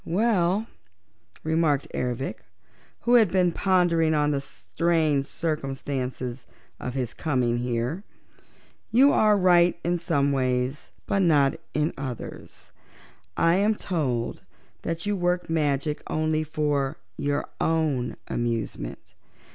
"Well," remarked Ervic, who had been pondering on the strange circumstances of his coming here, "you are right in some ways, but not in others. I am told that you work magic only for your own amusement.